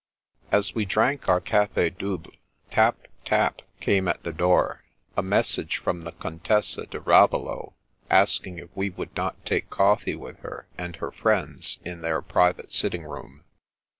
As we drank our cafi double, tap, tap, came at the door; a message from the Contessa di Ravello ask ing if we would not take coffee with her and her friends in their private sitting room.